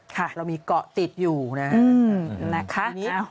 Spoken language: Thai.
ค่ะเรามีเกาะติดอยู่นะครับ